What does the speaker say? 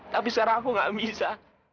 tapi sekarang aku gak bisa